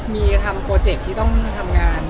มีทำโปรเจคที่ต้องทำงาน